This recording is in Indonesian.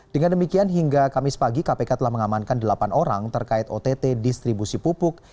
dengan demikian hingga kamis pagi kpk telah mengamankan delapan orang terkait ott distribusi pupuk